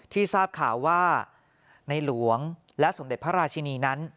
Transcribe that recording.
ทราบข่าวว่าในหลวงและสมเด็จพระราชินีนั้น